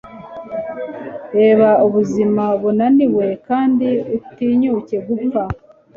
reba ubuzima bunaniwe, kandi utinyuke gupfa